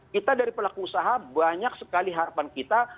kita dari pelaku usaha banyak sekali harapan kita